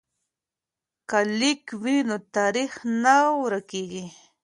که لیک وي نو تاریخ نه ورکیږي.